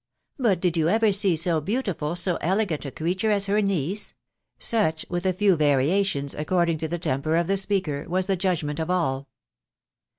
But, did you ever see so beautiful, so elegant a creature as her niece ?" Such, with. a few variations, according to the temper of the speaker, was the judgment of all.